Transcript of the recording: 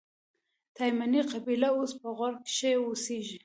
تایمني قبیله اوس په غور کښي اوسېږي.